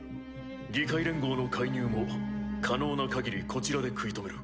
議会連合の介入も可能なかぎりこちらで食い止める。